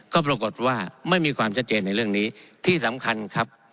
ก็ปรากฏว่าไม่มีความชัดเจนในเรื่องนี้ที่สำคัญครับ